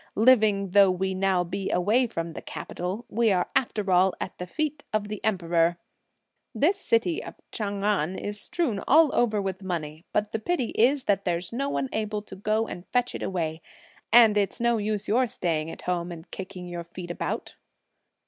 Living though we now be away from the capital, we are after all at the feet of the Emperor; this city of Ch'ang Ngan is strewn all over with money, but the pity is that there's no one able to go and fetch it away; and it's no use your staying at home and kicking your feet about."